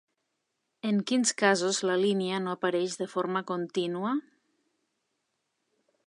En quins casos la línia no apareix de forma contínua?